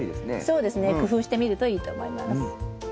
そうですね。工夫してみるといいと思います。